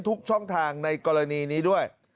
ทุกช่องทางในกรณีนี้ด้วย